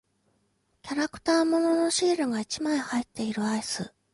キャラクター物のシールが一枚入っているアイス。